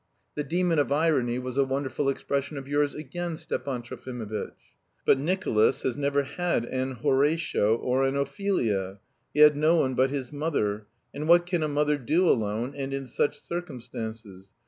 ('The demon of irony' was a wonderful expression of yours again, Stepan Trofimovitch.) But Nicolas has never had an Horatio or an Ophelia. He had no one but his mother, and what can a mother do alone, and in such circumstances?